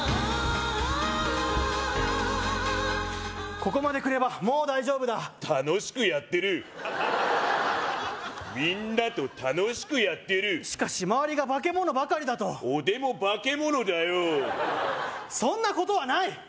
ここまで来ればもう大丈夫だ楽しくやってるみんなと楽しくやっているしかし周りがバケモノばかりだと俺もバケモノだよそんなことはない！